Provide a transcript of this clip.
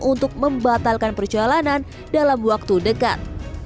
untuk membatalkan perjalanan dalam waktu dekat